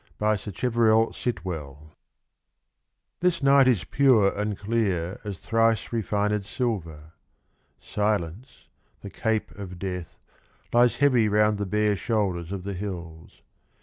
44 SACHEVERELL SIT WELL. FOUNTAINS. THIS night is pure and clear as thrice refined silver. Silence, the cape of Death, lies heavy Round the bare shoulders of the hills.